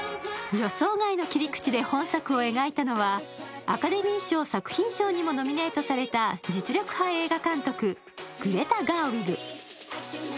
予想外の切り口で本作を描いたのは、アカデミー賞作品賞にもノミネートされた実力派映画監督、グレタ・ガーウィグ。